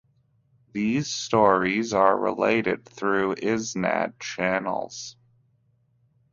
These stories are related through "isnad" channels.